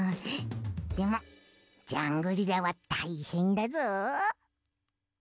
でもジャングリラはたいへんだぞ。